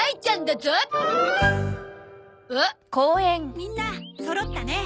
みんなそろったね。